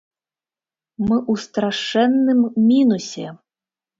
Мы ў страшэнным мінусе!